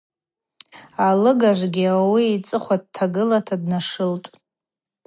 Алыгажвгьи ауи йцӏыхъва дтагыла днашылтӏ.